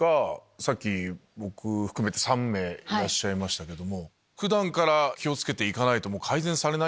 さっき僕含めて３名いらっしゃいましたけども。